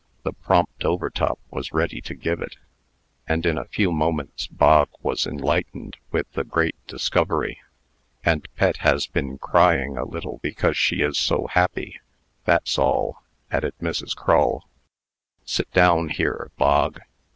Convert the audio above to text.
The prompt Overtop was ready to give it; and, in a few moments, Bog was enlightened with the great discovery. "And Pet has been crying a little because she is so happy that's all," added Mrs. Crull. "Sit down here, Bog."